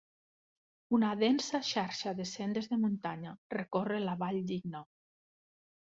Una densa xarxa de sendes de muntanya recorre la Valldigna.